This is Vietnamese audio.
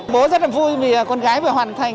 bố rất là vui vì con gái vừa hoàn thành